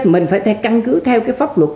mình phải căn cứ theo cái pháp luật